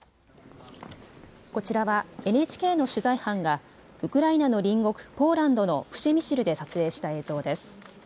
こちらはＮＨＫの取材班がウクライナの隣国ポーランドのプシェミシルで撮影した映像です。